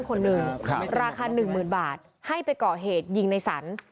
บ้านคนหนึ่งค่ะราคาหนึ่งหมื่นบาทให้ไปเกาะเหตุยิงในสรรค์